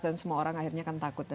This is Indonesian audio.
dan semua orang akhirnya akan takut